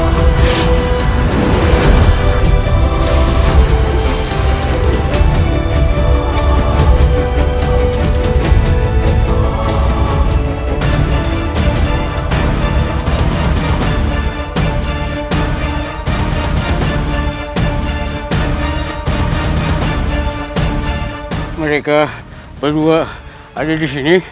nyoba mereka berdua brave disini